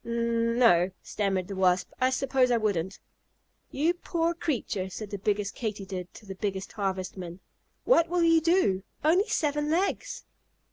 "N no," stammered the Wasp, "I suppose I wouldn't." "You poor creature!" said the biggest Katydid to the biggest Harvestman. "What will you do? Only seven legs!"